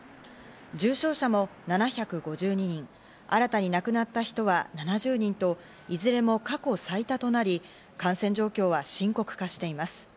重症者も７５２人、新たに亡くなった人は７０人と、いずれも過去最多となり、感染状況は深刻化しています。